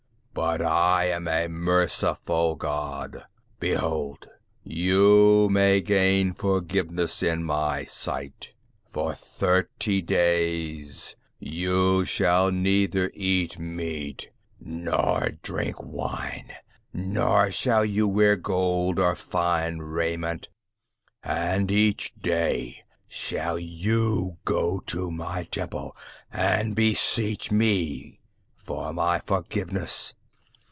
But I am a merciful god; behold, you may gain forgiveness in my sight. For thirty days, you shall neither eat meat nor drink wine, nor shall you wear gold nor fine raiment, and each day shall you go to my temple and beseech me for my forgiveness.